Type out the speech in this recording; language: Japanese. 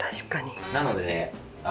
なので。